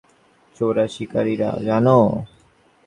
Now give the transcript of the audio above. চোরাশিকারিরা, জানো?